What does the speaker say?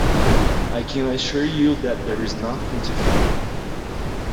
I can assure you that there is nothing to fear